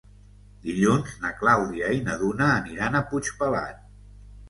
Dilluns na Clàudia i na Duna aniran a Puigpelat.